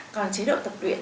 còn chế độ tập luyện